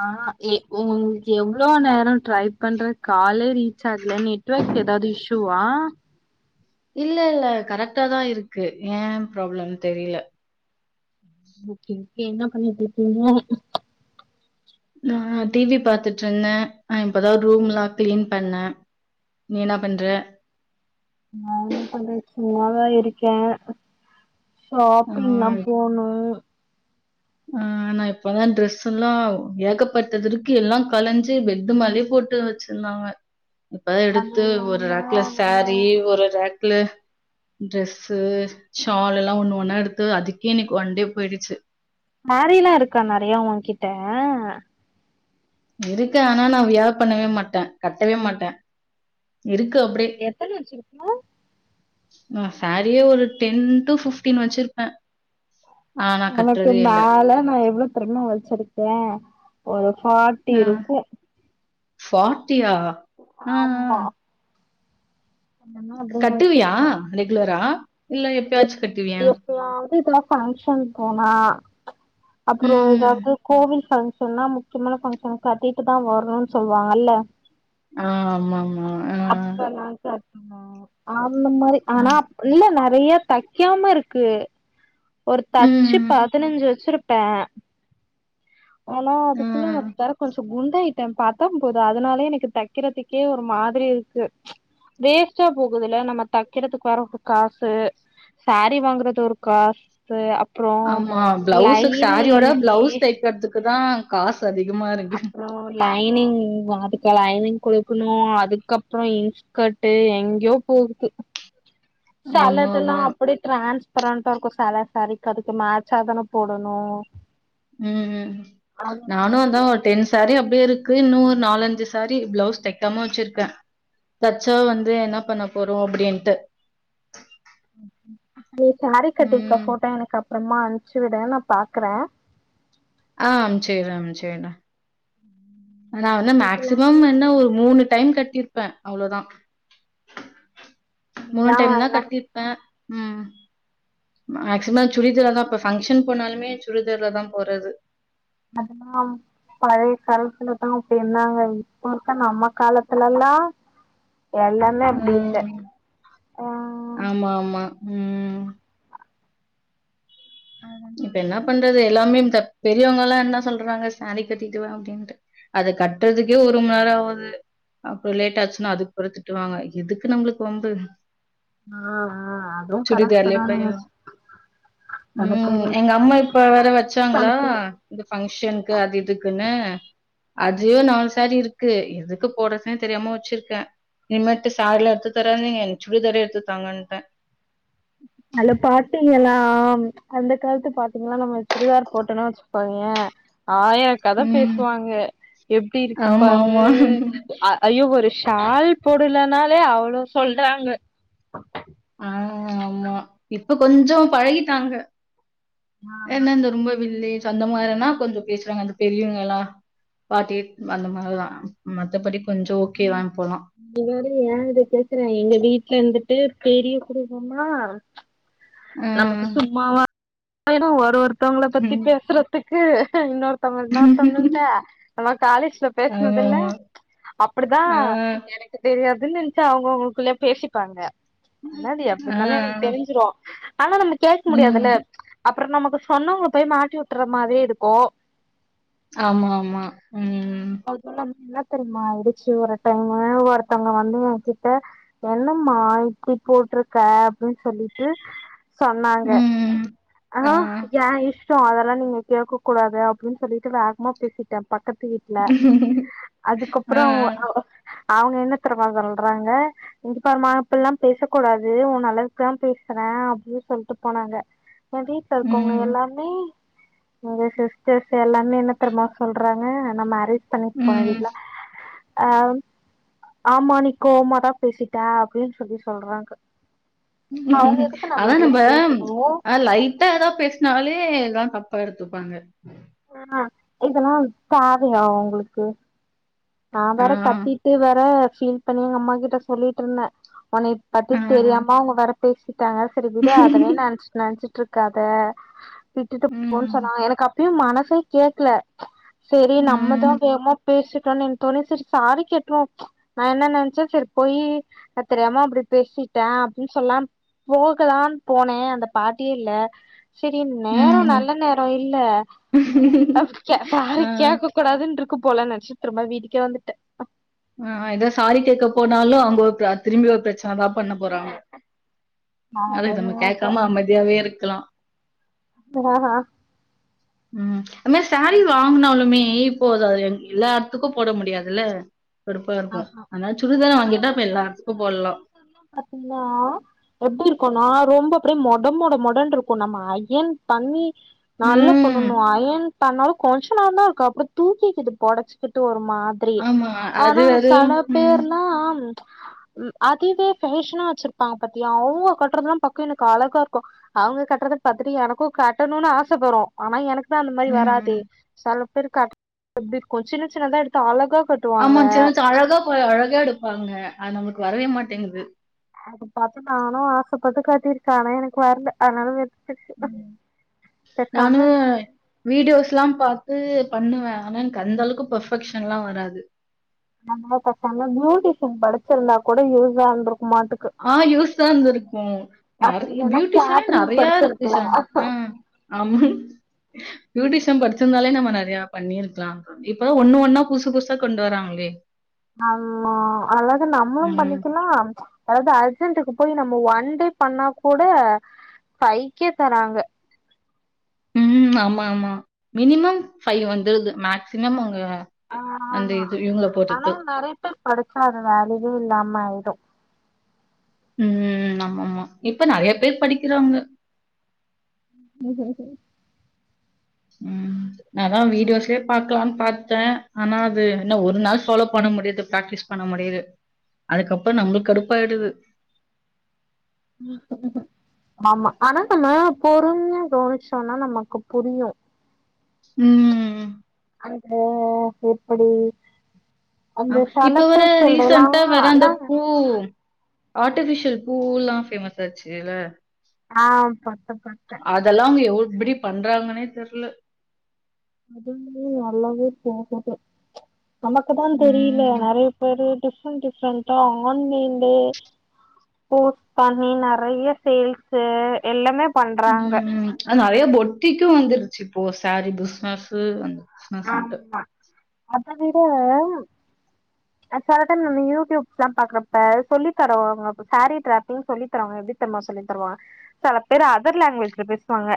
ஆ ஏ உங்ளுக்கெவ்ளோ நேரோ ட்ரை பண்றே காலே ரீ ச்சாகல நெட்வர்க் ஏதாவ்து இஷூவா இல்ல இல்ல கரெக்டாதா இருக்கு ஏ ப்ராப்ளன் தெரியல ஓகே ஓகே என்ன பண்ணிட்டு இருக்கீங்க நான் டிவி பார்த்துட்டு இருந்தேன் நான் இப்பதான் ரூம்லாம் கிளீன் பண்ணேன் நீ என்ன பண்ற நான் என்ன பண்றே சும்மாதான் இருக்கே ஆ, ஷாப்பிங்லாம் போணு ஆ நா இப்பதான் ட்ரெஸ் எல்லாம் ஏகப்பட்டது இருக்கு எல்லாம் கலஞ்சு பெட்டு மேலயே போட்டு வச்சிருந்தாங்க இப்பதான் அது எடுத்து ஒரு இல்லாம ரக்ல வேற சாரி ஒரு ரக் டிரெஸ்ஸு ஷால் எல்லா ஒன்னு ஒன்னா எடுத்து அதுக்கே இன்னிக்கு ஒண்டே போயிடுச்சு மாரில்லா இருக்கா நெறையா ஒங்கிட்ட இருக்கு ஆனா நான் வியார் பண்ணவே மாட்டேன் கட்டவே மாட்டே எத்தன வச்சிருக்க நா சாரியே ஒரு டென் டூ பிஃப்டீன் வச்சிருப்பே ஒனக்கு மேல நான் எவ்ளோ தெரியுமா வச்சிருக்கே ஒரு ஃபாட்டி இருக்கு சா ட்டியா அ ஆ ஆமா அதெல்லா அப்டியே கட்டுவியா வச்சிருக்கே ரெகுலரா இல்ல எப்பயாச்சு கட்டுவியா எதுனா பஃங்க்ஷன் போனா அப்புறம் ம். ஏதாவது கோவில் ஃபங் சொன்னா முக்கியமான பஃங்க்ஷன் கட்டிட்டு தா வரணுன்னு சொல்லுவாங்கல்ல ஆ ஆமா ஆமா ஆ ம் ஆ இந்த மாரி ஆனாப் இல்லங்க றைய தெக்காமருக்கு ஒரு தச்சு ம், பதனஞ்சு வச்சுருப் பே ஆனா அதுக்குள்ள நா ம். தெர கொஞ்சோ குண்டாயிட் டே பத்தாம்போதுமன அத்னாலயே எனக்கு தக்கிறதுக்கே ஒரு மாத்ரி இருக்கு வேஸ்டா போகுதுல நம்ம தக்கிறதுக்கு வர காசு சாரி வாங்குறது ஒரு காசு அப் ஆமா பிளவுஸுக் சாரியோட பிளவுஸ் தெக்கற்துக் துக்கு தா காஸ் அப்றோ லைனிங் அதுக்கு லைனிங் குடுக்குணூ அதுக்கப்றோ இன்ஸ்கர்ட்டு எங்கேயோ போகுது ஆமா, செலதல்லா ஆமா. அப்டியே டிரான்ஸ்ப் ப்ரன்ட்டாருக்கூ செல சாரிக் அதுக்கு மேச்சாதான போடணூ ம் நானூ அதா மாதிரி டென் சாரி அப்டியேருக்கு இன்னூ ஒரு நாலஞ்சு சாரி பிளவுஸ் தெக்காம வச்சிருக்கே தச்சா வந்து என்ன பண்ண போறோ அப்டின்ட்டு நீ சாரி கட்டிருக்க ம். ஃபோட்டோ எனக்கு அப் ப்றமா அனுப்ச்சு விடு நா பாக்குறே ஆம் செரி அம் செரிடா நா வந்து இன்னைக்குலா மேக்சிமம் என்ன ஒரு மூணு டைம் கட்டிருப்பே அவ்ளோ தா மூணு இன்னைக்குதா டைம் தா என்ன கட்டிருப்பே ம் மேக்சிமம் சுடிதார் தா ஃபஸ்ட் ஃபங்க்ஷன் போனாலுமே சுடிதார்ல தா போறது அதெல்லா பழய காலத்துல தா அப்டி இருந்தாங்க இப்ப இருக்க நம்ம காலத்துல எல்லா எல்லாமே அப்டி இல்ல ம் ஆ உம் ஆ இப்ப என்னா பண்றது எல்லாமே இந்த பெரியவங்கல்லா என்ன சொல்றாங்க சேரி கட்டிட்டு வா அப்டின்ட்டு அத கட்றதுக்கே ஒரு மணி நேரோ ஆவுது அப்றொ லேட் ஆச்சுனா அதுக்கு வேற திட்டுவாங்க எதுக்கு நம்ளுக்கு வம்பு ஆ ஆ அதுவு கரக்ட்டு சுடிதார்லயே தான் நீங்க போயிர்லா ம் எங்கம்மா இப்ப வேற வச்சாங்களா இந்த ஃபங்க்ஷன்க்கு அது இதுக்குனு அதுவே நாலு சேரி இருக் க்கு எதுக்கு போடுறத்னே தெரியாம வச்சிர்க்கே இனிமேட்டு சேரிலா எடுத்து தராதிங்க சுடிதாரே எடுத்து தாங்கன்டெ அல பாத்தீங்கலா அந்த காலத்து பாத்திங்னா நம்ம சுடிதார் போட்டொனா வச்சுக்கோயே ஆயா கத ம். பேசுவாங்க எப்டி இருக்கு ஆமா, பாரு ஆமா. அ ஐயோ ஒருஸ் தால் போடலனாலே அவ்லோ சொல்றாங்க ம் ஆமா இப்ப கொஞ்ஜொ பழகிட்டாங்க என்ன இந்த ரொம்ப வில்லே தொந்த மாரினா கொஞ்சொ பேசுறாங்க அந்த பெரியவங்க எல்லா பாட்டி அந்த மாரி தா மத்தபடி கொஞ்சம் ஓகே தான் இப்போலாம். நீங்க வேற ஏ இத கேக்குறே எங்க வீட்லந்து டு பெரிய குடும்பமா ஆ. நமக்கு சும்மாவா அய்னு ஒரு ஒருத் தவுங்ள பத்தி ம். பேசுறத்துக் [unintelligible] இன்னொர் [unintelligible] இன்னொருதங்கள்ட காலேஜ்ல பேசுனது இல்ல ஆமாமா. அப்படிதான் ஆ. எனக்கு தெரியாது இருந்துருந்துச்ச அவங்கவுங்களுக்குள்ளயே பேசிப்பாங்க ஆனா அது ஆ. எப்பிடியிருந்தாலும் எனக்கு தெரிஞ்சிரும் ஆனா நம்ம கேட்க ம். முடியாதுல அப்புறம் நமக்கு சொன்னவங்க போய் மாட்டி விட்டுறமாவே இருக்கும் ஆம்மா ஆமா [unintelligible] என்ன தெரியுமா ஆயிடுச்சு ஒரு டைம் ஒருத்தவங்க வந்து என் கிட்ட என்னம்மா இப்படி போட்ருக்க அப்படின்னு சொல்லிட்டு சொன்னாங்க ம். ஆஹ் ஏன் இஷ் சோ அதெல்லாம் நீங்க கேட்க கூடாது அப்படின்னு சொல்லிட்டு வேகமா பேசிட்டேன் பக்கத்து வீட்ல அதுக்கப்றோ ஆஹ் அ அவங்க என்ன தெருமா சொல்றாங்க இங்க பாருமா இப்ப எல்லாம் பேச கூடாது உன் நல்லதுக்குதான் பேசுறேன் அப்படின்னு சொல்டு போனாங்க என் வீட்ல இருக்கோங்க ம், எல்லாமே உங்க சிஸ்டர்ஸ் எல்லாமே என்னத் தெரிமா சொல்றாங்க நா மேரேஜ் பண்ணிக்க போற ம். வீட்ல அ ஆமா நீ கோவமாதா பேசிட்டே அப்டின்னு சொல்லி சொல்றாங்க அவங்க எதுக்கு அதா இதுல நம்ம கேக்கணு ஆ லைட்டா ஏதாவ பேசினாலே தா தப்பா எடுத்துப்பாங்க ஆ இதெல்லா தேவையா உங்ளுக்கு நா ஆ, வேற கத்திட்டு வேற பீல் பண்ணி எங்க அம்மா கிட்ட சொல்லிட்டு இருந்தே ஒனை பத்தி ஆ. தெரியாம அவங்க வேற பேசி டாங்க சேரி விடு அதனயே நெனச்சட்டு நெனைச்சிட்டு ட்டு இருக்காத விட்டுட்டு போன்னு ம், சொன்னாங்க எனக்கு அ இப்பயு மனசே கேக்கல சேரி நம்மதா ம், வேமா பேசிட்டோன்னு தோனி சேரி சாரி கேட்ருவோ நா என்ன நெனைச்சே சேரி போயி நா தெரியாம அப்டி பேசிட்டே அப்டின்னு சொல்லா போகலான்னு போனே அந்த பாட்டியே இல்ல சேரி நேர ம். நல்ல நேர இல்ல சாரி ஆ, கேட்க கூடாதுன்னு இருக் க்கு போலனு நெனச்ச திரும்ப வீட் இங்க வந்துட்டு ஆஆ ஏதே சாரி கேட்க போனாலு அவங்க ஒரு பிர திரும்பி ஒரு பிரச்ச சன தா பண்ண போறாங்க அதுக்கு நம்ம அதனால கேட்காம அமைதியாவே இருக்கலா அ ஆஹ் ஆஹ் உம் ஆனா சாரீ வாங்கனாலுமே ம் போதாது எல்லா எடத்துக்கும் போட முடியாதுல்ல கடுப்பா இருக்கும். ஆஹா அதனால சுடிதார் வாங்கிட்டா இப்ப எல்லா இடத்துக்கும் போடலாம். பாத்தீங்கன்னா எப்டி இருக்கும்னா ரொம்ப அப்டியே மொட மொட மொடன்னு இருக்கும் நம்ம அயன் பண்ணி நல்ல ம். பண்ணணு அயன் பனாலும் கொஞ்ச நேர தா இருக்கு அப்ற தூக்கிக்கு து பொடச்சுகிட்டு ஒரு மாதிரி ஆமா. அது ஆனா அது சல ம், பேர்னா ம் அதுவே பேஃபேஷனா வச்சிருப்பாங்க பத்திய அவங்க கட்றதுல்லா பாக்க எனக்கு அழகா இருக்கும் அவங்க கட்டுறது பத்தட்டு எனக்கும் கட்டணும்னு ஆசப்பட்றோ ஆனா எனக் கு தா அந்த மாரி வராதே ம். சலு [unintelligible] எப்படிக்கும் சின்ன சின்னதா எடுத்து அழகா கட்டுவாங்க ஆமாஞ்சின் சி அழகா கு அழகா எடுப்பாங்க அது நம்மளுக்கு வரவே மாட்டேங்குது அத பாத்து நானு ஆசப்பட்டு கட்டிருக்க ஆனா எனக்கு வர்ல அதனால விட்டுட்ட நானு வீடியோஸ் எல்லாம் பா த்து பண்ணுவே ஆனா எனக்கு அந்த அளவுக்கு பெர்பெக்ஷன் ல்லா வராது நம்ம பேசாம பியூட்டிஷியன் படிச்சிருந்தா கூட யூஸ் ஆ இருந் ஆஹ் யூஸா இருந்திருக்கும நற அப்டி இல்லன்னா பியூட்டிஷியனே கேட்ரிங் நறையா இருக்கு படிச்சிருக்கலா ஷா ஆஹ் ஆமா புயூட்டிஷம் படிச்சிருந்தாலே நம்ம நெறையா பண்ணிருக்கலா இப்பதா ஒண்ணு ஒன்னா புதுசு புதுசா கொண்டு வராங்களே ஆம்மா அதாவது நம்மளும் ம். பண்ணிக்கலா அதாவது அ சிந்துக்கு போயி நம்ம ஒன் டே பண்ணா கூட ஃபைக்கே தராங்க உம் ஆமா ஆமா மினிமம் ஃபைவ் வந்துருது மேக்சிமம் அவங்க ஆஹ் அந்த ஆமா இது இவங்கள பொறுத்து. ஆனாலு நறைய பேர் படிச்சா அது வேல்யுவே இல்லாம ஆயிடு உம் ஆமா ஆமா இப்ப நறைய பேர் படிக்கிறாங்க உம் நா அதா வீடியோஸ்லயே பாக்லான்னு பாத்தே ஆனா அது என்ன ஒரு நாள் ஃபாலோ பண்ண முடியுது பிரக்டிஸ் பண்ண முடியுது அதுக்கப்புற நம்மளுக்கு கடுப்பாயிடுது ஆமா ஆனா நம்ம பொறுமைய கவுனிச்சோனா நமக்கு புரியு உம் ஓ எப்படி ஆ இப்ப வேற ரீசண்டா வேற ஆனா அந்த பூ ஆர்டிஃபிஷியல் பூல்லாம் ஃபேமஸ் ஆச்சுல்ல ஆஹ்ப்ப அதெல்லா அவுங் எவ் எப்டி பண்றாங்கன்னே தெர்ல அது நல்லாவே போகுது நமக்கு தான் தெரியில ம். நறைய பேரு டிஃப்ரெண்ட் டிஃப்ரெண்டா ஆன்லைன்லயை போஸ்ட் பண்ணி நறைய சேல்ஸ்ஸு எல்லமே உம் அது நறைய பொட்டிக்கும் வந்துருச்சு போ சாரி பிசினஸ்ஸு வந்து ஆம்மா அத விட செல டைம் நம்ம யூட்யூப்ஸ் லா பாக்குறப்ப சொல்லி தருவாங்க சாரி டிராப்பிங் சொல்லி தரவாங்க எப்படித் தெர்மா சொல்லி தருவா சில பேர் அதர் லாங்குவேஜ்ல பேசுவாங்க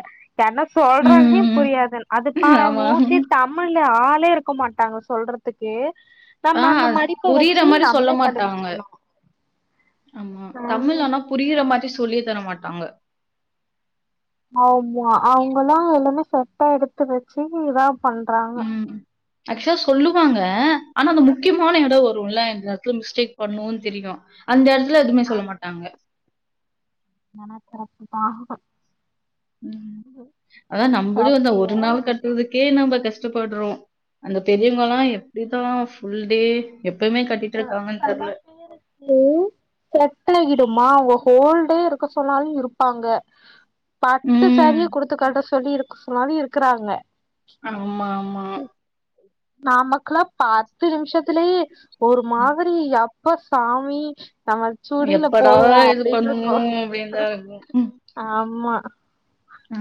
என்ன சொல்றாங்கனே ம். புரியாதுன் அது பாறே ஆமா. மோஸ்ட்லி நம்மல்ல ஆளே இருக்க மாட்டாங்க சொல்றதுக்கு ஆ நம்ம அந்த மடிப்ப புரியற வச்சு மாரி சொல்ல நம்மளே மாட்டாங்க கண்டுபிடிச்சுக்கணு ஆமா தமிழ் ஆனா புரியிற மாரி சொல்லியே தரமாட்டாங்க ஆமா அவுங்கலா எல்லாமே செட்டா எடுத்து வச்சு இதா பண்றாங்க ம் ஆக்சுவா சொல்லுவாங்க ஆனா அந்த முக்யமான எட வரு வருல்ல அந்த எடத்துல மிஸ்டேக் பண்ணுவோன் தெரியு அந்த எடத் துல எதுமே சொல்ல மாட்டாங்க நனா தரப்புதாகுது அ நம்பளு அந்த ஒரு நாள் கட்னதுக்கே நம்ம கஷ் டப்படுறோ அந்த பெரியவங்கலா எப்டித்தா ஃபுல் டே எப்பயுமே கட்டிட்டு அ இருக்காங்கன்னு சில தெரியல. பேருக்கு செட் ஆகிடுமா அவுங்க ஹோல் டே இருக்க சொன்னாலு இருப்பாங்க பட்டு ம். சாரியே குடுத்து கட்ட சொ சொல்லி இருக்க சொன்னாலு இருக்கறாங்க ஆம்மா ஆமா நமக்லா பத்து நிமிஷத்துலயே ஒரு மாதுரி யாப் ப்ப சாமி நம்ம சுடில எப்படா போடுவோ இது பண்ணுவு அப்டின்தா இருக்கு ம் ஆம்மா அ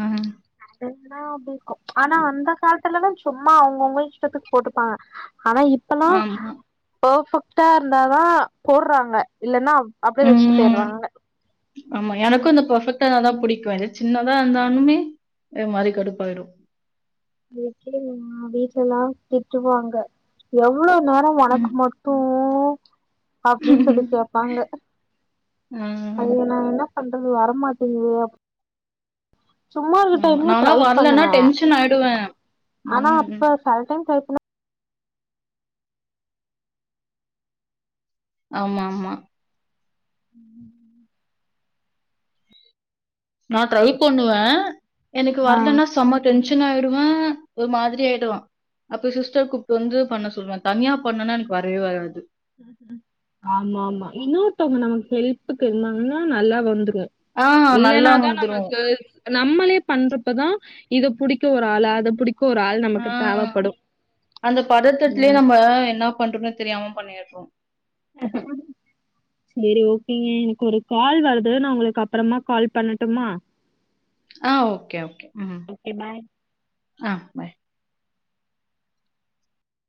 என்னா அப்டி அனா அந்த கால் திர்லனா சும்மா அவுங்கவுங்க இஷ்டத்துக் போட்டுப்பாங்க அனா இப்பலா ஆமா. போஃபக் டா இர்ந்தாதா போற்றாங்க இல்லன்னா அவ் ம் ஆமா எனக்கு இந்த பஃபெக் டத தா புடிக்கு இது சின்னதா இந்தானுமே இத மாரி கடுப்பாயிடு இதுக்கே [inaudible] வீட்லல்லா திட்டுவாங்க எவ் வ்ளோ நேர ஒனக்கு ம். மட்டு அப்டின் சொல்லி கேப்பாங்க ஆ. அதுகு நா என்ன பண்றது வரமாட்டேங்குதே அப் சும்மா இருக்க ஆமா. டைம்ல ட்ரை நான்லாம் வரலன்னா பண்ணுவ டென்ஷன் ஆயிடுவேன். ஆனா ம். அப்ப செல் டைம் ட்ரைப் புன்னோ ஆமாம்மா நா ட்ரை பண்ணுவே எனக்கு ஆ வரலன்னா செம டென் ஷன் ஆயிருவே ஒரு மாதிரி ஆயிடுவே அப்ப சிஸ்டர் கூப்டு வந்து பண்ண சொல்லுவே தனியா பண்ணனா எனக்கு வரவே வராது ம் ம் ஆமா ஆமா இன்னொர்த்தவங்க நமக் ஹெல்ப்புக்கு இருந்தாங்கன்னா நல்லா வந்துர் கு ம்ச் ஆ நல்லா இல்லன்னாதா வந்துரும். நமக் [unintelligible] நம்மளே பண்றப்பதா இத புடிக்க ஒரு ஆளு அத புடிக் ஆ அந்த பதட்டத்துலயே நம்ப என்ன பண்றோம்னே தெரியாமப் பண்ணிடுறோ செரி ஓகேங்க எனக்கு ஒரு கால் வருது நா உங்களுக்கு அப்றமா கால் பண்ணட்டுமா ஆ ஓகே ஓகே ம் ஆ பாய்